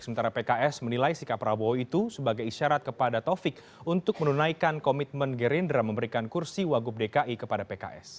sementara pks menilai sikap prabowo itu sebagai isyarat kepada taufik untuk menunaikan komitmen gerindra memberikan kursi wagub dki kepada pks